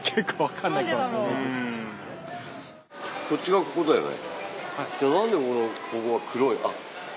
こっちがここだよね。